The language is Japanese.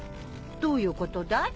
どういうことだい？